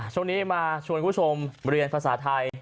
ช่วงนี้มาชวนคุณผู้ชมเรียนภาษาไทย